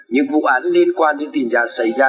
những vụ án liên quan đến tin giả xảy ra